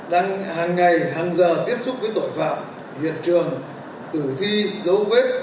đang hàng ngày hàng giờ tiếp xúc với tội phạm hiện trường tử thi dấu vết